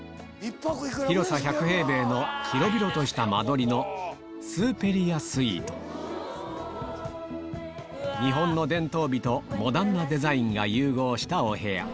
広さ１００平米の広々とした間取りのスーペリアスイート日本の伝統美とモダンなデザインが融合したお部屋